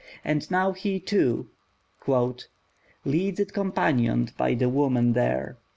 And now he too "Leads it companioned by the woman there.